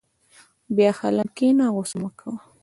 په حلم کښېنه، غوسه مه کوه.